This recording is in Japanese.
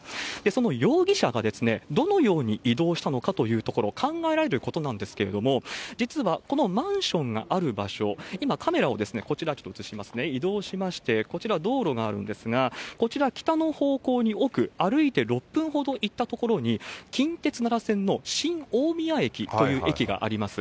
その容疑者が、どのように移動したのかというところ、考えられることなんですけれども、実はこのマンションがある場所、今、カメラをこちら、ちょっと移しますね、移動しまして、こちら、道路があるんですが、こちら、北の方向に奥、歩いて６分ほど行った所に、近鉄奈良線のしんおおみや駅という駅があります。